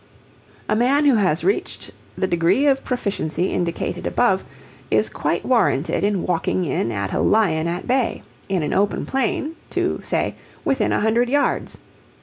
A man who has reached the degree of proficiency indicated above is quite warranted in walking in at a lion at bay, in an open plain, to, say, within a hundred yards.